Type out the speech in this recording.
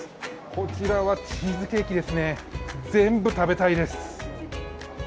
こちらはチーズケーキですね全部食べたいです。